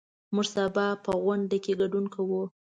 موږ سبا په غونډه کې ګډون کوو.